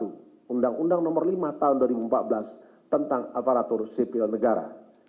undang undang nomor lima tahun dua ribu empat belas tentang aparatur sipil negara